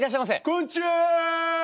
こんちは！